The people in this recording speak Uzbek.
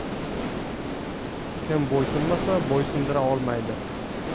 Kim bo‘ysunmasa, bo‘ysundira olmaydi.